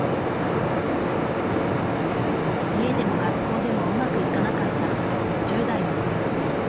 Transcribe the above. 家でも学校でもうまくいかなかった１０代の頃。